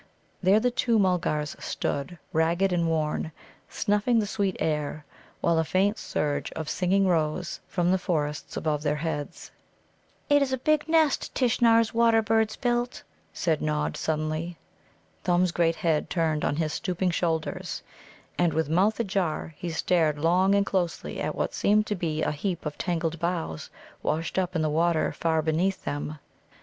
There the two Mulgars stood, ragged and worn, snuffing the sweet air, while a faint surge of singing rose from the forests above their heads. "It is a big nest Tishnar's water birds build," said Nod suddenly. Thumb's great head turned on his stooping shoulders, and, with mouth ajar, he stared long and closely at what seemed to be a heap of tangled boughs washed up in the water far beneath them.